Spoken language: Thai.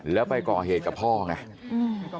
แล้วไปก่อเหตุกับพ่อไง